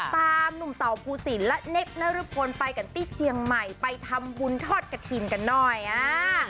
หนุ่มเต่าภูสินและเนคนรพลไปกันที่เจียงใหม่ไปทำบุญทอดกระถิ่นกันหน่อยอ่า